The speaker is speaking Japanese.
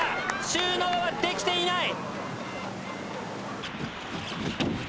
収納はできていない。